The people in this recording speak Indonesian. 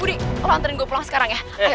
budi lo hantarin gue pulang sekarang ya